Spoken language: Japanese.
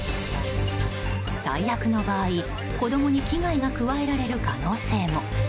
最悪の場合、子供に危害が加えられる可能性も。